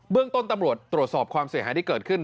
เรื่องต้นตำรวจตรวจสอบความเสียหายที่เกิดขึ้น